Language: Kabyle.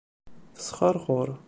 Tesxerxur.